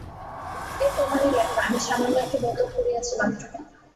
এ তোমারই লেখা, আমি সামান্য একটু বদল করিয়াছি মাত্র।